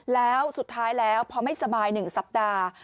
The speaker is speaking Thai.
แล้วสุดท้ายแล้วพอไม่สบาย๑สัปดาห์